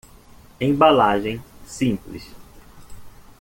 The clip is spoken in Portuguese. Embalagem simples